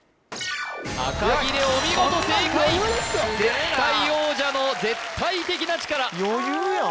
あかぎれお見事正解絶対王者の絶対的な力余裕やんあ